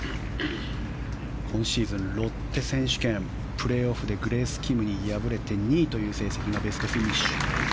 今シーズン、ロッテ選手権プレーオフでグレース・キムに敗れて２位という成績がベストフィニッシュ。